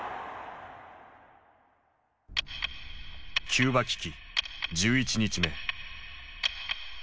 キューバ危機１１日目。